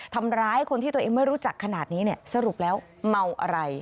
ทำร้ายคนที่ตัวเองไม่รู้จักขนาดนี้เนี่ยสรุปแล้วเมาอะไร